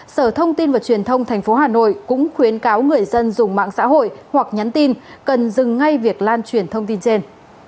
sở thông tin và truyền thông tp hà nội cũng khuyến cáo người dân dùng mạng xã hội hoặc nhắn tin cần dừng ngay việc lan truyền thông tin trên